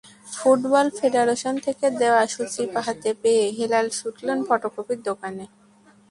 Football federation থেকে দেওয়া সূচি হাতে পেয়ে হেলাল ছুটলেন ফটোকপির দোকানে।